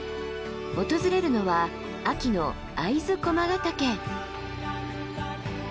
訪れるのは秋の会津駒ヶ岳。